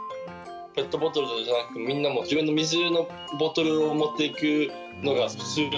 ペットボトルじゃなくて、みんなもう、自分のボトルを持っていくのが普通。